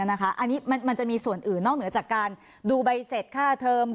อันนี้มันจะมีส่วนอื่นนอกเหนือจากการดูใบเสร็จค่าเทอม